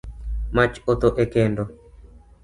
Mach otho e kendo